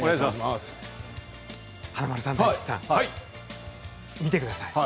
華丸さん、大吉さん見てください。